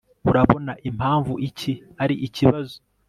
urabona impamvu iki ari ikibazo